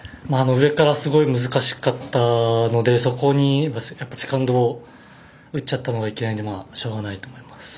上からすごい難しかったのでそこにセカンドを打っちゃったのがいけないのでしょうがないかなと思います。